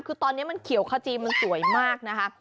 คือตอนนี้มันเขียวขจีมันสวยมากนะคะ